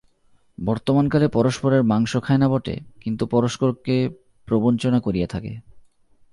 বর্তমানকালে পরস্পরের মাংস খায় না বটে, কিন্তু পরস্পরকে প্রবঞ্চনা করিয়া থাকে।